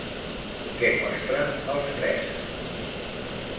Què mostren els frescs?